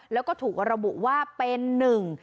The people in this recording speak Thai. แล้วก็ถูกระบุว่าเป็นหนึ่ง